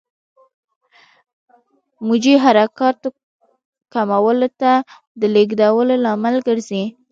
موجي حرکات کولمو ته د لېږدولو لامل ګرځي.